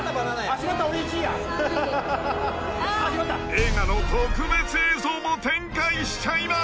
［映画の特別映像も展開しちゃいます！］